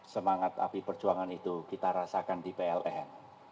semangat api perjuangan itu kita rasakan di pln